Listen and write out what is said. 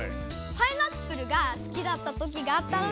パイナップルが好きだった時があったので作ってみました。